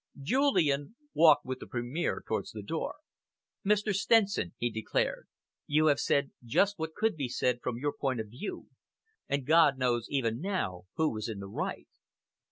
Julian walked with the Premier towards the door. "Mr. Stenson," he declared, "you have said just what could be said from your point of view, and God knows, even now, who is in the right!